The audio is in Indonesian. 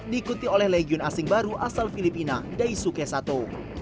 diikuti oleh legion asing baru asal filipina daisuke sato